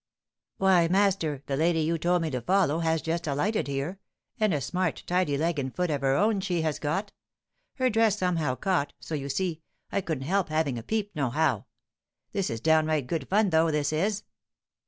"Why, master, the lady you told me to follow has just alighted here, and a smart, tidy leg and foot of her own she has got. Her dress somehow caught; so, you see, I couldn't help having a peep, nohow. This is downright good fun though, this is!"